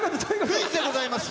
クイズでございます。